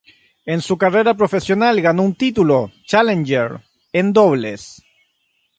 En su carrera profesional ganó un título "challenger" en dobles.